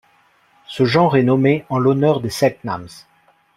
Ce genre est nommé en l'honneur des Selknams.